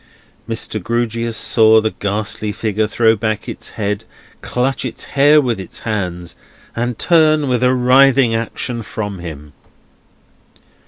Mr. Grewgious saw the ghastly figure throw back its head, clutch its hair with its hands, and turn with a writhing action from him.